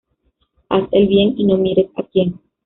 Haz el bien y no mires a quién